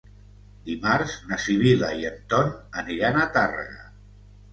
Dimarts na Sibil·la i en Ton aniran a Tàrrega.